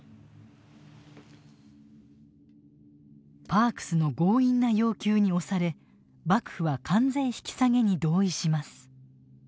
パークスの強引な要求に押され幕府は関税引き下げに同意します。